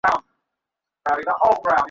আপনি তখন বলবেন, তুমি সত্য বলেছে।